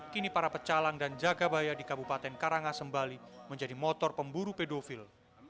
kini para pecalang dan jagabaya di kabupaten karangasem bali menjadi motor pemburu pedofil